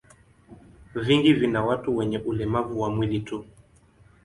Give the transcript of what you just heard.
Vingi vina watu wenye ulemavu wa mwili tu.